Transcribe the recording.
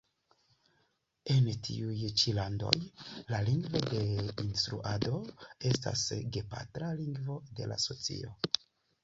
En tiuj ĉi landoj, la lingvo de instruado estas gepatra lingvo de la socio.